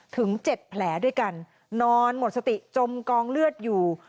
ถึง๗แผลด้วยกันนอนหมดสติจมกองเลือดอยู่